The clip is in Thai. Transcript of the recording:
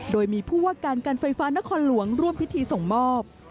โดยมีผู้ว่าการการไฟฟ้านครหลวงร่วมพิธีส่งมอบ